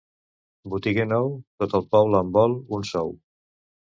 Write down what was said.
Botiguer nou, tot el poble en vol un sou.